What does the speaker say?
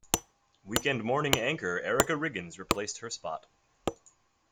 Weekend morning anchor Erica Riggins replaced her spot.